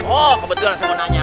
oh kebetulan saya mau nanya